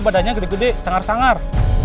badannya gede gede sangar sangar